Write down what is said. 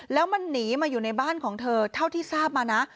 แล้วมันหนีมาอยู่ในบ้านของเธอเท่าที่ทราบมานะ